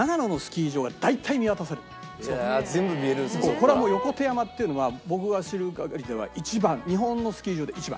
これはもう横手山っていうのは僕が知る限りでは一番日本のスキー場で一番。